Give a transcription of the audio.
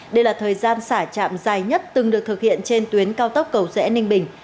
đây là thời gian xả chạm dài nhất từng được thực hiện trên tuyến cao tốc cầu rẽ ninh bình